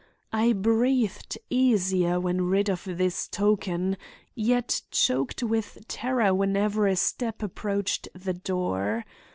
I breathed easier when rid of this token, yet choked with terror whenever a step approached the door.